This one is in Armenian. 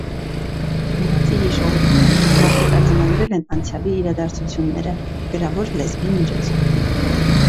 Բացի հիշողությունը, մարդիկ արձանագրել են անցյալի իրադարձությունները՝ գրավոր լեզվի միջոցով։